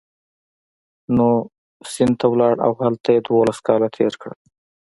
نو سند ته ولاړ او هلته یې دوولس کاله تېر کړل.